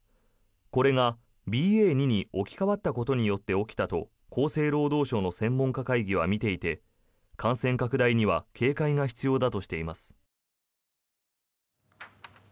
これが、ＢＡ．２に置き換わったことによって起きたと厚生労働省の専門家会議は見ていて感染拡大には警戒が必要だとしています。